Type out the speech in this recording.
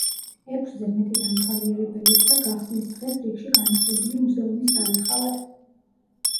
ექვსზე მეტი დამთვალიერებელი იდგა გახსნის დღეს რიგში განახლებული მუზეუმის სანახავად.